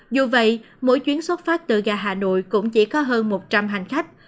dù vậy mỗi chuyến xuất phát từ ga hà nội cũng chỉ có hơn một trăm linh hành khách